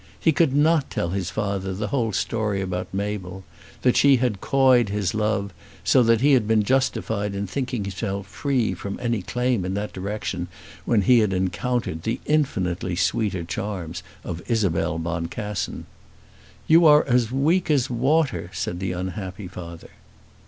He could not tell his father the whole story about Mabel, that she had coyed his love, so that he had been justified in thinking himself free from any claim in that direction when he had encountered the infinitely sweeter charms of Isabel Boncassen. "You are weak as water," said the unhappy father.